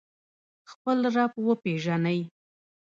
خپل رب وپیژنئ